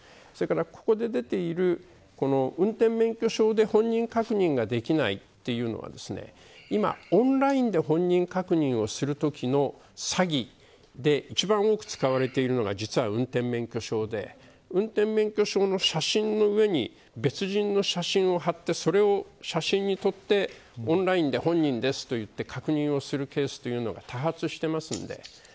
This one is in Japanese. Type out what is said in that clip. ここで出ている運転免許証で本人確認ができないというのは今、オンラインで本人確認をするときの詐欺で一番多く使われているのは実は運転免許証で運転免許証の写真の上に別人の写真を貼って、それを写真に撮って、オンラインで本人です、と言って確認をするケースというのが多発しています。